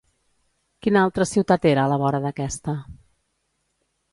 Quina altra ciutat era a la vora d'aquesta?